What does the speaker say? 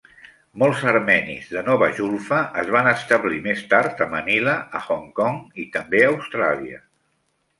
Molts armenis de Nova Julfa es van establir més tard a Manila, a Hong Kong i també a Austràlia.